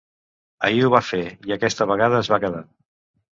Així ho va fer, i aquesta vegada es va quedar.